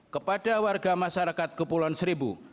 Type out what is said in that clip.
kepada warga masyarakat kepulauan seribu